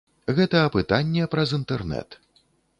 Гэта апытанне праз інтэрнэт.